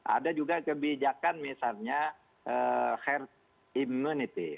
ada juga kebijakan misalnya herd immunity